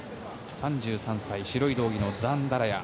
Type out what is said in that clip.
３３歳、白い道着のザンタラヤ。